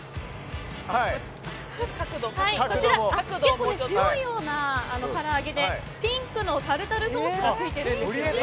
こちら、結構、白いから揚げでピンクのタルタルソースが付いてるんですよね。